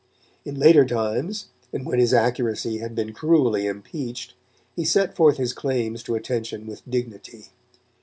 In later times, and when his accuracy had been cruelly impeached, he set forth his claims to attention with dignity.